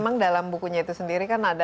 memang dalam bukunya itu sendiri kan ada